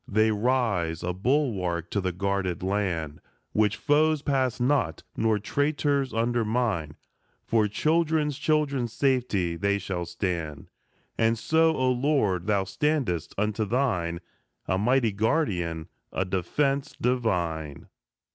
They rise, a bulwark to the guarded land, Which foes pass not, nor traitors undermine ; For children's children's safety they shall stand ; And so, O Lord, thou standest unto thine, A mighty guardian, a defence divine.